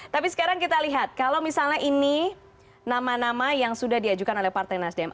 tapi sekarang kita lihat kalau misalnya ini nama nama yang sudah diajukan oleh partai nasdem